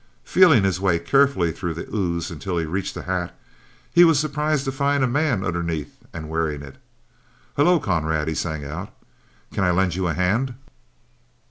Feeling his way carefully through the ooze until he reached the hat, he was surprised to find a man underneath and wearing it. 'Hello, comrade,' he sang out, 'can I lend you a hand?'